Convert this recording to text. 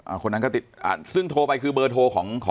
คนนั้นก็ติดอ่าซึ่งโทรไปคือเบอร์โทรของขอ